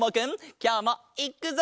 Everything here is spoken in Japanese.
きょうもいっくぞ！